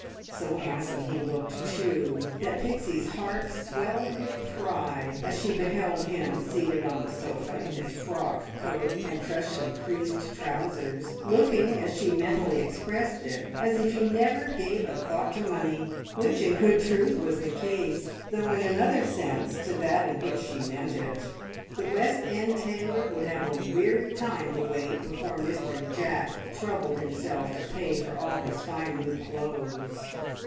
So handsome he looked, too, that Pixie's heart swelled with pride, as she beheld him seated on the sofa, in his frock coat and freshly creased trousers, looking, as she mentally expressed it, as if he never "gave a thought to money," which in good truth was the case, though in another sense to that in which she meant it. The West End tailor would have a weary time to wait before Mr Jack troubled himself to pay for all his fine new clothes!